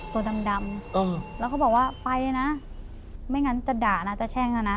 ตัวดำดำแล้วเขาบอกว่าไปนะไม่งั้นจะด่านะจะแช่งนะ